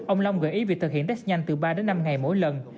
ông long gợi ý việc thực hiện test nhanh từ ba đến năm ngày mỗi lần